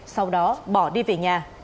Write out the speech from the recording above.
sau đó bỏ đi về nhà